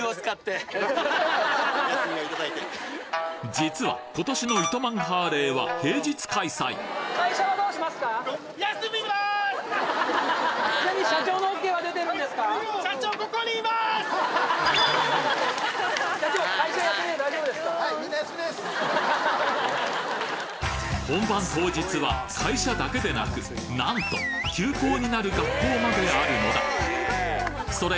実は今年の糸満ハーレーは平日開催本番当日は会社だけでなくなんと休校になる学校まであるのだそれ